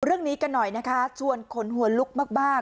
เรื่องนี้กันหน่อยนะคะชวนขนหัวลุกมาก